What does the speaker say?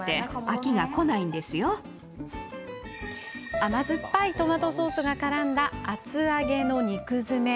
甘酸っぱいトマトソースがからんだ厚揚げの肉詰め。